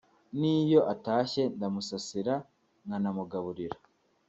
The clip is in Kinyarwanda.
n’iyo atashye ndamusasira nkanamugaburira